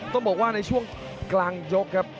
ต้องบอกว่าในช่วงกลางยกครับ